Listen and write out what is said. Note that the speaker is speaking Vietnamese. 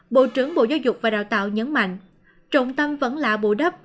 bộ trưởng bộ giáo dục và đào tạo nhấn mạnh trọng tâm vẫn là bù đắp